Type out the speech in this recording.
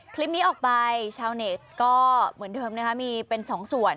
คลิปนี้ออกไปชาวเน็ตก็เหมือนเดิมนะคะมีเป็นสองส่วน